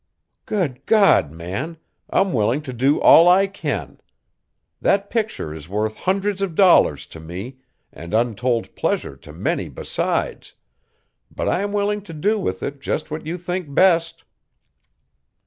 "Good God, man! I'm willing to do all I can. That picture is worth hundreds of dollars to me and untold pleasure to many besides, but I am willing to do with it just what you think best."